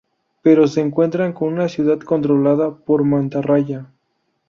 Pero se encuentran con una ciudad controlada por mantarraya.